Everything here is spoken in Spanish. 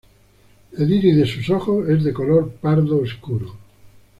El iris de sus ojos es de color pardo oscuro.